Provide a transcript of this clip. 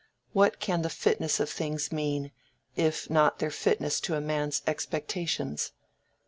What can the fitness of things mean, if not their fitness to a man's expectations?